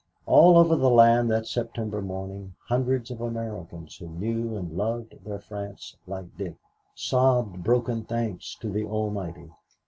All over the land that September morning hundreds of Americans who knew and loved their France like Dick, sobbed broken thanks to the Almighty.